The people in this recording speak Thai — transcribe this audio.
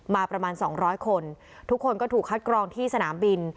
มาประมาณ๒๐๐คนทุกคนก็ถูกคัดกรองที่สนามบิน